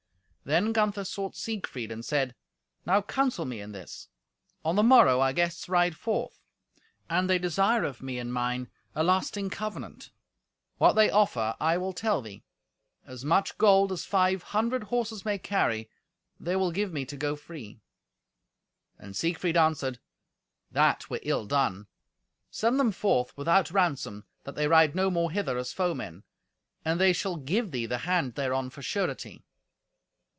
Then Gunther sought Siegfried and said, "Now counsel me in this. On the morrow our guests ride forth, and they desire of me and mine a lasting covenant. What they offer I will tell thee: as much gold as five hundred horses may carry, they will give me to go free." And Siegfried answered, "That were ill done. Send them forth without ransom, that they ride no more hither as foemen. And they shall give thee the hand thereon for surety."